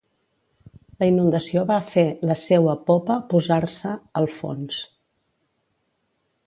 La inundació va fer la seua popa posar-se al fons.